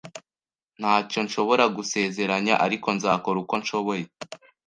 Ntacyo nshobora gusezeranya, ariko nzakora uko nshoboye.